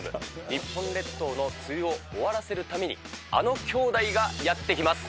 日本列島の梅雨を終わらせるために、あの兄弟がやって来ます。